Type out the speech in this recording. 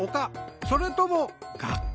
それとも学校？」。